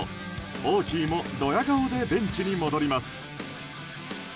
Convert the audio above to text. オーキーもどや顔でベンチに戻ります。